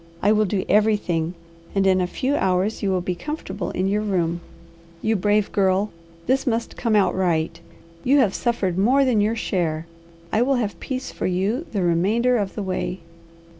I will do everything, and in a few hours you will be comfortable in your room. You brave girl! This must come out right! You have suffered more than your share. I will have peace for you the remainder of the way."